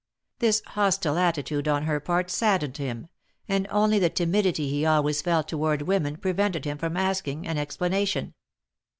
This hostile attitude on her part saddened him, and only the timidity he always felt toward women, prevented him from asking an explanation.